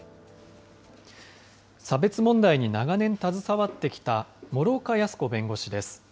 差別問題に長年、携わってきた師岡康子弁護士です。